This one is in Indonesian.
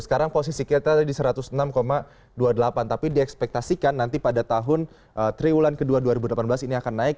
sekarang posisi kita tadi satu ratus enam dua puluh delapan tapi diekspektasikan nanti pada tahun triwulan kedua dua ribu delapan belas ini akan naik